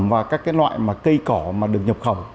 vào các loại cây cỏ được nhập khẩu